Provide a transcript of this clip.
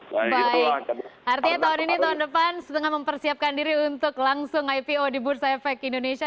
baik artinya tahun ini tahun depan setengah mempersiapkan diri untuk langsung ipo di bursa efek indonesia